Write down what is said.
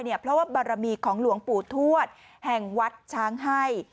เพราะว่าบารมีของหลวงปู่ทวดแห่งวัดช้างให้